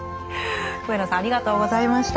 上野さんありがとうございました。